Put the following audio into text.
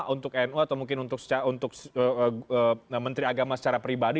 untuk nu atau mungkin untuk menteri agama secara pribadi